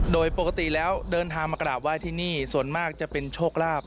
โดยปกติแล้วเดินทางมากราบไหว้ที่นี่ส่วนมากจะเป็นโชคลาภ